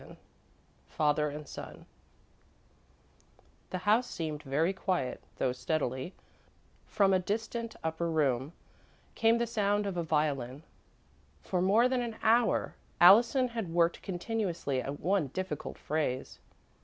VII FATHER AND SON The house seemed very quiet, though steadily, from a distant upper room, came the sound of a violin. For more than an hour, Allison had worked continuously at one difficult phrase.